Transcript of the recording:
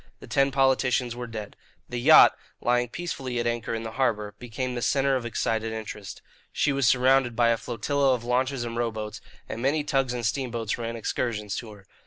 The ten politicians were dead. The yacht, lying peacefully at anchor in the harbour, became the centre of excited interest. She was surrounded by a flotilla of launches and rowboats, and many tugs and steamboats ran excursions to her.